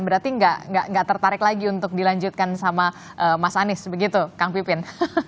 berarti nggak tertarik lagi untuk dilanjutkan sama mas anies begitu kang pipin